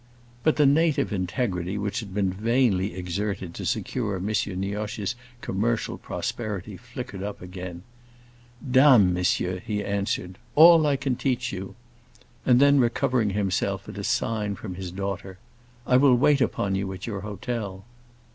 But the native integrity which had been vainly exerted to secure M. Nioche's commercial prosperity flickered up again. "Dame, monsieur!" he answered. "All I can teach you!" And then, recovering himself at a sign from his daughter, "I will wait upon you at your hotel."